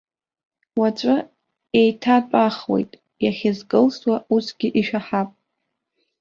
Уаҵәы еиҭатәахуеит, иахьазкылсуа усгьы ишәаҳап.